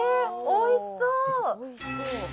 おいしそう！